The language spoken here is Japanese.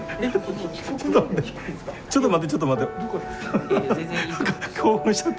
ちょっと待ってちょっと待って。